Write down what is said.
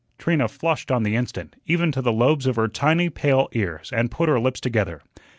Trina flushed on the instant, even to the lobes of her tiny pale ears, and put her lips together.